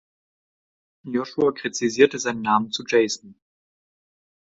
Josua gräzisierte seinen Namen zu Jason.